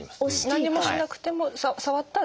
何もしなくても触ったら。